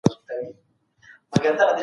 هيلګله